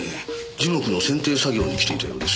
樹木の剪定作業に来ていたようです。